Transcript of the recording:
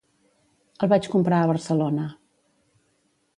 El vaig comprar a Barcelona.